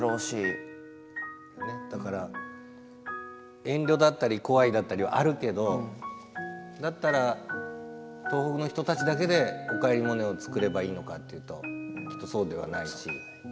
だから遠慮だったり怖いだったりはあるけどだったら東北の人たちだけで「おかえりモネ」を作ればいいのかっていうときっとそうではないし。